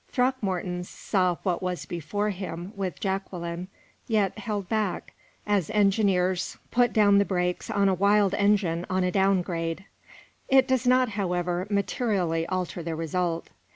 Throckmorton saw what was before him with Jacqueline, yet held back, as engineers put down the brakes on a wild engine on a down grade it does not, however, materially alter the result.